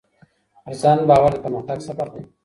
پر ځان باور د پرمختګ سبب دی.